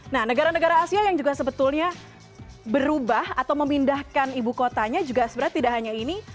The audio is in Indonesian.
nah negara negara asia yang juga sebetulnya berubah atau memindahkan ibu kotanya juga sebenarnya tidak hanya ini